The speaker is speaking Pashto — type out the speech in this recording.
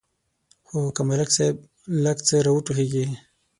خو که ملک صاحب لږ څه را وټوخېږي.